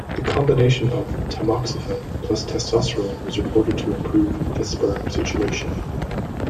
The combination of tamoxifen plus testosterone was reported to improve the sperm situation.